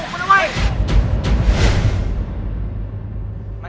นั่นอยู่ไหนไว้